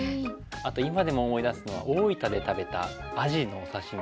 あと今でも思い出すのは大分で食べたアジのお刺身。